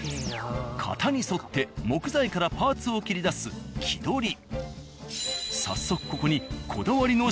型に沿って木材からパーツを切り出す木取り。